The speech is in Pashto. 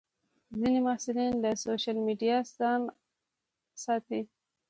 ځینې محصلین له سوشیل میډیا ځان ساتي.